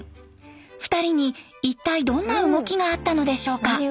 ２人に一体どんな動きがあったのでしょうか？